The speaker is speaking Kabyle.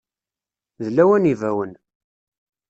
D lawan n yibawen.